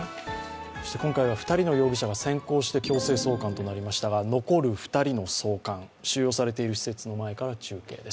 そして今回は２人の容疑者が先行して送還となりましたが残る２人の送還、収容されている施設の前から中継です。